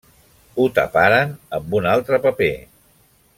ho taparen amb un altre paper